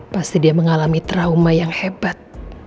pasti dia mengalami trauma yang hebat